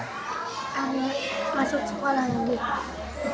karena masuk sekolah lagi